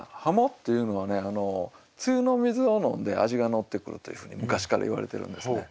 鱧っていうのはね梅雨の水を飲んで味がのってくるというふうに昔からいわれてるんですね。